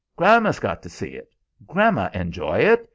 Gramma's got to see it! Grandma'll enjoy it.